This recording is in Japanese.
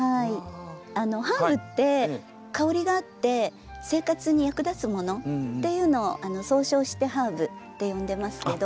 ハーブって香りがあって生活に役立つものっていうのを総称してハーブって呼んでますけど。